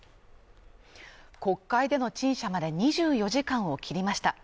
国会での陳謝まで２４時間を切りました。